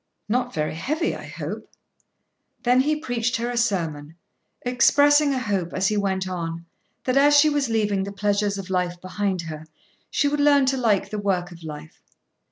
"Not very heavy I hope." Then he preached her a sermon, expressing a hope as he went on, that as she was leaving the pleasures of life behind her, she would learn to like the work of life.